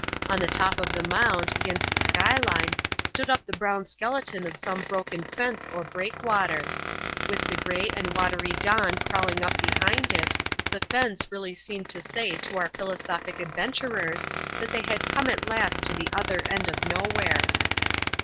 On the top of the mound, against the sky line, stood up the brown skeleton of some broken fence or breakwater. With the grey and watery dawn crawling up behind it, the fence really seemed to say to our philosophic adventurers that they had come at last to the other end of nowhere.